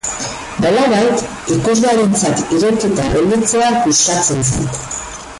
Nolabait, ikuslearentzat irekita gelditzea gustatzen zait.